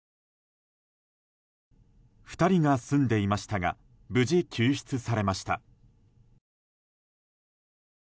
２人が住んでいましたが無事救出されました。